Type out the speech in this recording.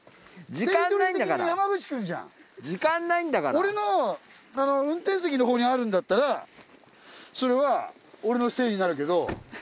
俺の運転席の方にあるんだったらそれは俺のせいになるけど。